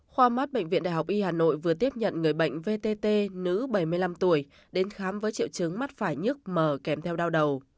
khoa mắt bệnh viện đại học y hà nội vừa tiếp nhận người bệnh vtt nữ bảy mươi năm tuổi đến khám với triệu chứng mắt phải nhức mờ kèm theo đau đầu